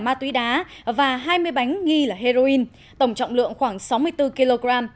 ma túy đá và hai mươi bánh nghi là heroin tổng trọng lượng khoảng sáu mươi bốn kg